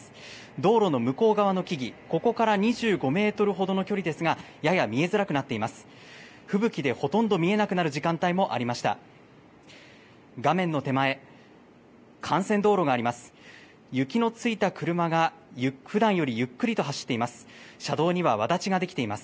道路の向こう側の木々、ここから２５メートルほどの距離ですが、やや見えづらくなっています。